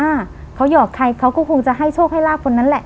อ่าเขาหอกใครเขาก็คงจะให้โชคให้ลาบคนนั้นแหละ